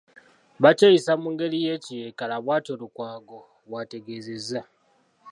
Bakyeyisa mu ngeri y'ekiyeekera; bwatyo Lukwago bw'ategeezezza.